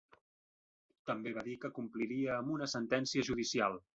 També va dir que compliria amb una sentència judicial.